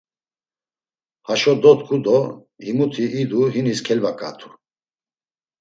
Haşo dot̆ǩu do himuti idu hinis kelvaǩatu.